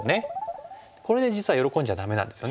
これで実は喜んじゃダメなんですよね。